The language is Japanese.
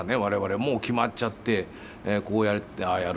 もう決まっちゃってこうやってああやる。